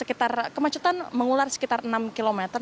kemacetan mengular sekitar enam km